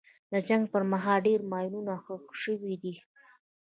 د جنګ پر مهال ډېر ماینونه ښخ شوي دي.